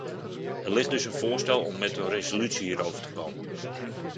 Er ligt dus een voorstel om met een resolutie hierover te komen.